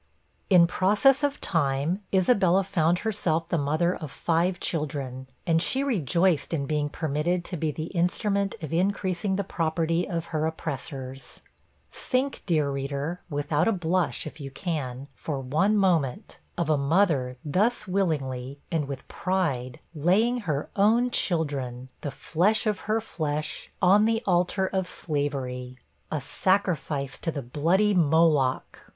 In process of time, Isabella found herself the mother of five children, and she rejoiced in being permitted to be the instrument of increasing the property of her oppressors! Think, dear reader, without a blush, if you can, for one moment, of a mother thus willingly, and with pride, laying her own children, the 'flesh of her flesh,' on the altar of slavery a sacrifice to the bloody Moloch!